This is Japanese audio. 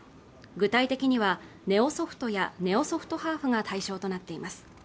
具体的にはネオソフトやネオソフトハーフが対象となっています